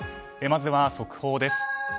まずは速報です。